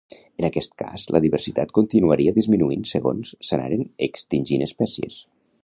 En aquest cas, la diversitat continuaria disminuint segons s’anaren extingint espècies.